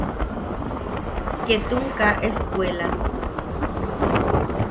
Ketun kaa escuelan.